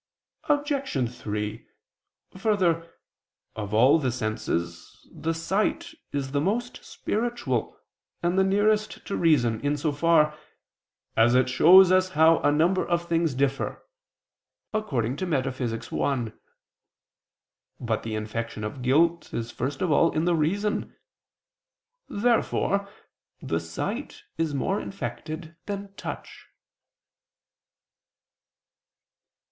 Obj. 3: Further, of all the senses the sight is the most spiritual and the nearest to reason, in so far "as it shows us how a number of things differ" (Metaph. i). But the infection of guilt is first of all in the reason. Therefore the sight is more infected than touch.